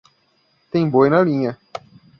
Tem boi na linha